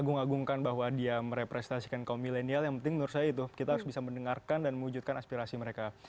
agung agungkan bahwa dia merepresentasikan kaum milenial yang penting menurut saya itu kita harus bisa mendengarkan dan mewujudkan aspirasi mereka